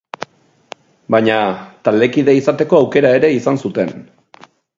Baina, taldekide izateko aukera ere izan zuten.